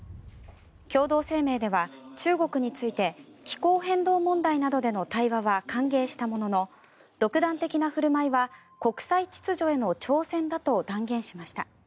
共同声明では中国について気候変動問題などでの対話は歓迎したものの独断的な振る舞いは国際秩序への挑戦だと断言しました。